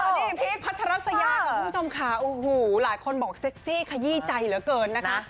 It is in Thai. อ้าวนี่พี่พัฒนาสยาของผู้ชมค่าอู้หู้หลายคนบอกเซ็กซี่คยี้ใจเหลือเกินนะคะ